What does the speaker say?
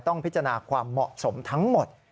ต้องพิจารณาความเหมาะสมทั้งหมด